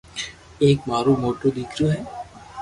ايڪ مارو موٽو ديڪرو ھي